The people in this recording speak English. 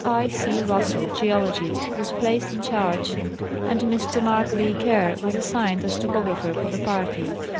I. C. Russell, geologist, was placed in charge, and Mr. Mark B. Kerr was assigned as topographer of the party.